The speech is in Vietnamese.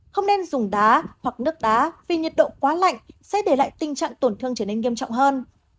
không nên dùng đá hoặc nước đá vì nhiệt độ quá lạnh sẽ để lại tình trạng tổn thương trở nên nghiêm trọng hơn